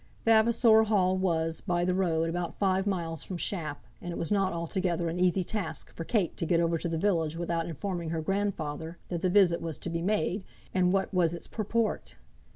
Vavasor Hall was, by the road, about five miles from Shap, and it was not altogether an easy task for Kate to get over to the village without informing her grandfather that the visit was to be made, and what was its purport.